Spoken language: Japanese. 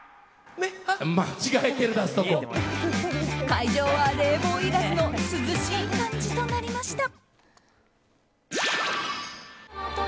会場は冷房いらずの涼しい感じとなりました。